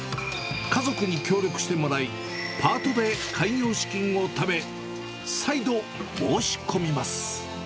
家族に協力してもらい、パートで開業資金をため、再度、申し込みます。